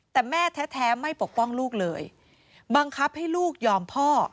แต่แม่แท้ไม่ปกป้องลูกเลยบังคับให้ลูกยอมพ่อ